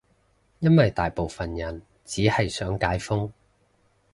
因爲大部分人只係想解封